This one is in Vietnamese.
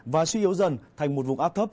và suy yếu dần thành một vùng áp thấp